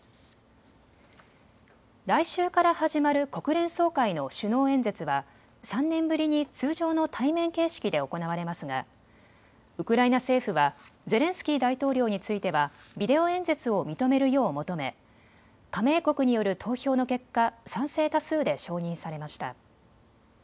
来週から始まる国連総会の首脳演説は３年ぶりに通常の対面形式で行われますが、ウクライナ政府はゼレンスキー大統領についてはビデオ演説を認めるよう求め加盟国による投票の結果、賛成多数で承認されました。